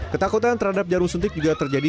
ketakutan terhadap jarum suntik juga terjadi